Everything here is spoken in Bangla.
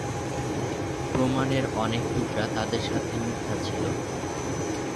প্রমাণের অনেক টুকরা তাদের সাথে মিথ্যা ছিল।